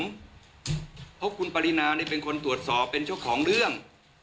เพราะคุณปรินาเป็นคนตรวจสอบเป็นเจ้าของเรื่อง